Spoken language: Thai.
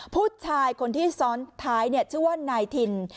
ผู้ชายคนที่ซ้อนวงท้ายเนี่ยชื่อว่าไนทิน